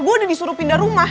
gue udah disuruh pindah rumah